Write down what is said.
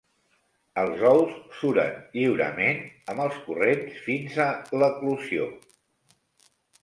Els ous suren lliurement amb els corrents fins a l'eclosió.